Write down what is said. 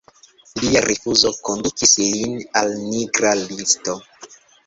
Lia rifuzo kondukis lin al nigra listo.